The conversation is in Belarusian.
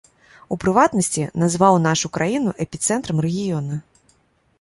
У прыватнасці, назваў нашу краіну эпіцэнтрам рэгіёна.